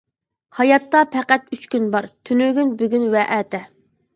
ھاياتتا پەقەتلا ئۈچ كۈن بار، تۈنۈگۈن، بۈگۈن ۋە ئەتە!